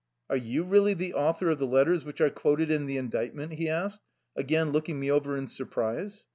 Are you really the author of the letters which are quoted in the indictment? " he asked, again looking me over in surprise.